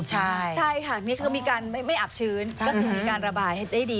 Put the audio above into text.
ใช่ค่ะนี่คือไม่อาบชื้นก็ถึงการระบายให้ได้ดี